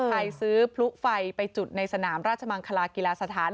ซื้อพลุไฟไปจุดในสนามราชมังคลากีฬาสถาน